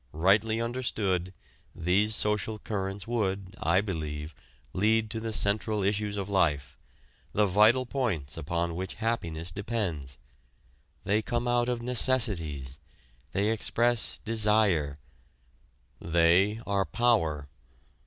Rightly understood, these social currents would, I believe, lead to the central issues of life, the vital points upon which happiness depends. They come out of necessities. They express desire. They are power.